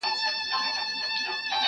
دې دنیا ته دي راغلي بېخي ډېر خلګ مالداره.